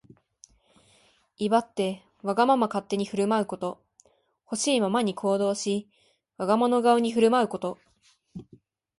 威張ってわがまま勝手に振る舞うこと。ほしいままに行動し、我が物顔に振る舞うこと。